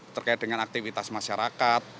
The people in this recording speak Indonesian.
terkait dengan aktivitas masyarakat